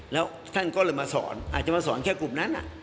แล้วท่านก็เลยมาสอนอาจจะมาสอนแค่กลุ่มนั้น